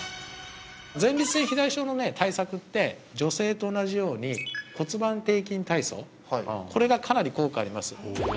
前立腺肥大症のね対策って女性と同じように骨盤底筋体操これがかなり効果あります